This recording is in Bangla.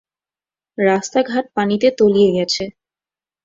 রাস্তা-ঘাট পানিতে তলিয়ে গেছে।